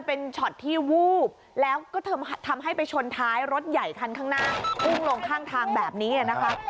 เป็นช็อตที่วูบแล้วก็ทำให้ไปชนท้ายรถใหญ่คันข้างหน้าพุ่งลงข้างทางแบบนี้นะคะ